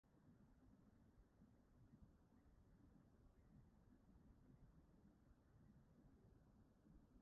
Pinaffor fyddai dilledyn plentyn i'w wisgo yn yr ysgol neu er mwyn chwarae.